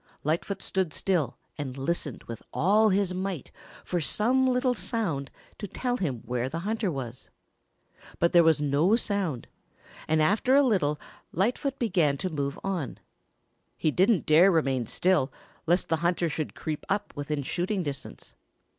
Lightfoot stood still and listened with all his might for some little sound to tell him where the hunter was. But there was no sound and after a little Lightfoot began to move on. He didn't dare remain still, lest the hunter should creep up within shooting distance.